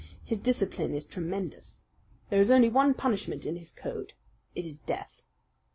His discipline is tremendous. There is only one punishment in his code. It is death.